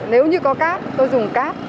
nếu như có cát tôi dùng cát